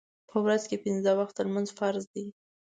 په ورځ کې پنځه وخته لمونځ فرض دی